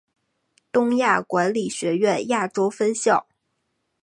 东亚管理学院亚洲分校。